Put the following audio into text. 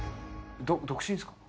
独身ですか？